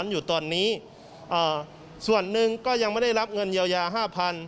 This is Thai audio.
อยู่ตอนนี้ส่วนหนึ่งก็ยังไม่ได้รับเงินเยียวยาห้าพัน